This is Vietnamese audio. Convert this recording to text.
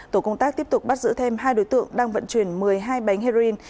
tổ công tác tiếp tục bắt giữ thêm hai đối tượng đang vận chuyển một mươi hai bánh heroin